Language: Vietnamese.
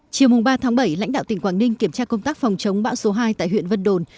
chiều ba tháng bảy lãnh đạo tỉnh quảng ninh kiểm tra công tác phòng chống bão số hai tại huyện vân đồn